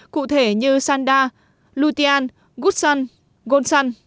cụ thể như sanda lutean goodsun gonsai